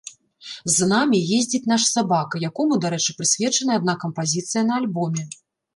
З намі ездзіць наш сабака, якому, дарэчы, прысвечаная адна кампазіцыя на альбоме.